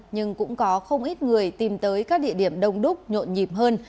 nhưng cũng có không ít người tìm tới các địa điểm đông đúc nhộn nhịp hơn